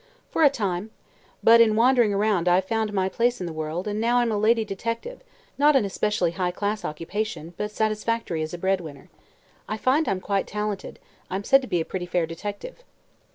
"For a time. But in wandering around I've found my place in the world and I'm now a lady detective, not an especially high class occupation but satisfactory as a bread winner. I find I'm quite talented; I'm said to be a pretty fair detective."